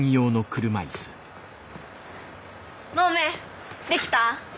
モーメンできた？